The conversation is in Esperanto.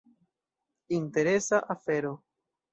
Interesa afero.